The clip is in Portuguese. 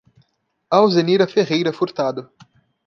Alzenira Ferreira Furtado